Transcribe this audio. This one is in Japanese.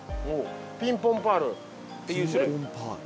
ピンポンパール。っていう種類？